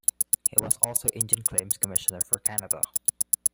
He was also Indian Claims Commissioner for Canada.